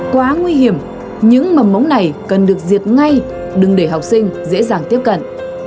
quá nguy hiểm những mầm móng này cần được diệt ngay đừng để học sinh dễ dàng tiếp cận